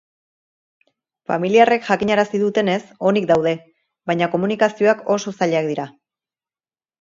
Familiarrek jakinarazi dutenez, onik daude, baina komunikazioak oso zailak dira.